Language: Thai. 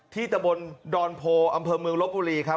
ตะบนดอนโพอำเภอเมืองลบบุรีครับ